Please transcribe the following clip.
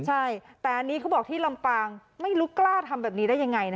ใช่แต่อันนี้เขาบอกที่ลำปางไม่รู้กล้าทำแบบนี้ได้ยังไงนะ